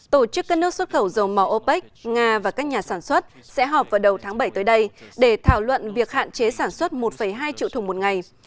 tổ chức các nước xuất khẩu dầu màu opec nga và các nhà sản xuất sẽ họp vào đầu tháng bảy tới đây để thảo luận việc hạn chế sản xuất một hai triệu thùng một ngày